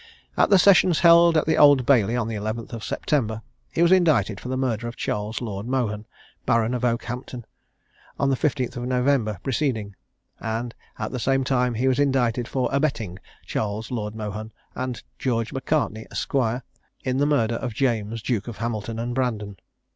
At the sessions held at the Old Bailey, on the 11th of September, he was indicted for the murder of Charles Lord Mohun, Baron of Oakhampton, on the 15th of November preceding; and at the same time he was indicted for abetting Charles Lord Mohun, and George Macartney, Esq., in the murder of James, Duke of Hamilton and Brandon.